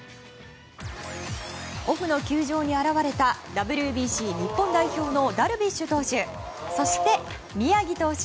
オフの球場に現れたＷＢＣ日本代表のダルビッシュ投手そして宮城投手。